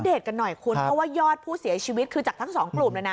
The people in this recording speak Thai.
กันหน่อยคุณเพราะว่ายอดผู้เสียชีวิตคือจากทั้งสองกลุ่มเลยนะ